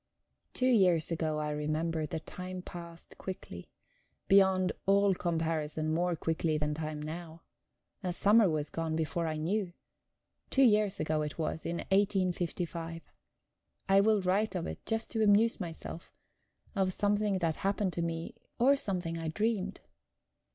Two years ago, I remember, the time passed quickly beyond all comparison more quickly than time now. A summer was gone before I knew. Two years ago it was, in 1855. I will write of it just to amuse myself of something that happened to me, or something I dreamed.